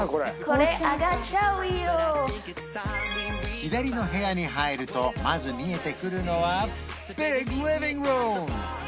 左の部屋に入るとまず見えてくるのはビッグリビングルーム